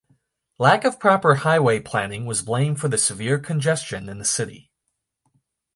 Lack of proper highway planning was blamed for the severe congestion in the city.